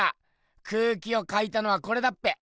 空気を描いたのはこれだっぺ。